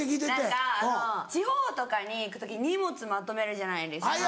何か地方とかに行く時荷物まとめるじゃないですか。